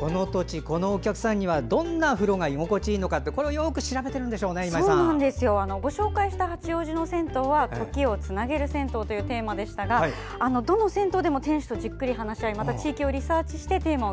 この土地このお客さんにはどういうものが居心地がいいのかをご紹介した八王子の銭湯は「時をつなげる銭湯」というテーマでしたがどの銭湯でも店主とじっくり話し合い地域をリサーチしてテーマを